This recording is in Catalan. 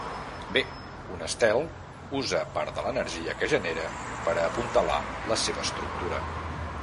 Bé, un estel usa part de l'energia que genera per a apuntalar la seva estructura.